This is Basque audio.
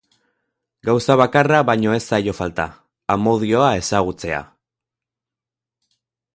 Gauza bakarra baino ez zaio falta: amodioa ezagutzea.